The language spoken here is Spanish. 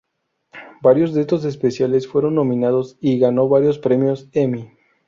Varios de estos especiales fueron nominados y ganó varios premios Emmy.